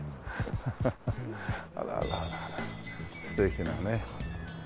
あららら素敵なね。